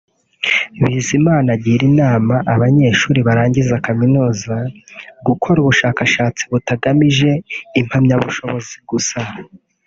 Bizimana agira inama abanyeshuri barangiza kaminuza gukora ubushakashatsi batagamije impamyabushobozi gusa